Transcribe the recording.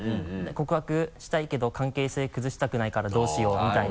告白したいけど関係性崩したくないからどうしよう？みたいな。